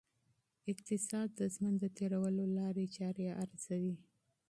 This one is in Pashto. اقتصاد د ژوند د تېرولو لاري چاري ارزوي.